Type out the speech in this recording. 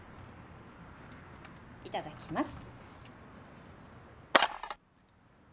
いただきます。